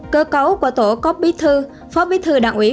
cơ cấu của tổ có bí thư phó bí thư đảng ủy